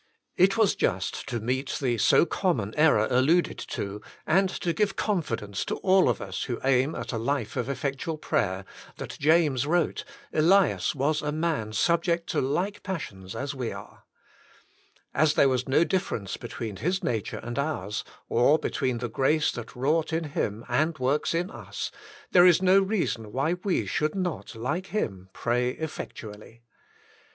It was just to meet the so common error 'alluded to, and to give confidence to all of us who aim at a life of effectual prayer, that James wrote: "Elias was a man subject to like passions as we are," As there was no difference between his nature and ours, or between the grace that wrought in him and works in us, there is no reason why we should not, like him, pray effectu ally.